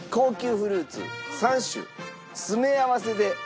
高級フルーツ３種詰め合わせで。